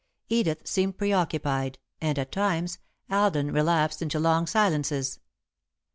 Edith seemed preoccupied, and, at times, Alden relapsed into long silences.